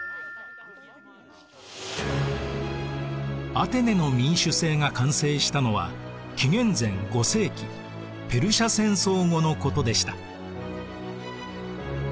アテネの民主政が完成したのは紀元前５世紀ペルシア戦争後のことでした。